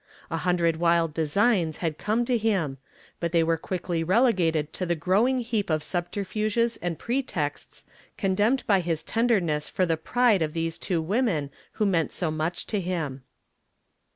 A hundred wild designs had come to him, but they were quickly relegated to the growing heap of subterfuges and pretexts condemned by his tenderness for the pride of these two women who meant so much to him.